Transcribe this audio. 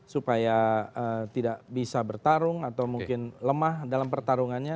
supaya tidak bisa bertarung atau mungkin lemah dalam pertarungannya